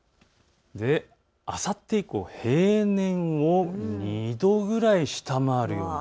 あさって以降平年を２度ぐらい下回る